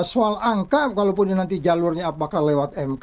soal angka kalaupun nanti jalurnya apakah lewat mk